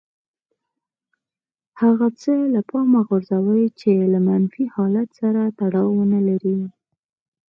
هغه څه له پامه غورځوي چې له منفي حالت سره تړاو نه لري.